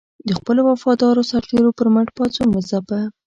د خپلو وفادارو سرتېرو پر مټ پاڅون وځپه.